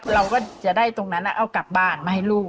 เราก็จะได้ตรงนั้นเอากลับบ้านมาให้ลูก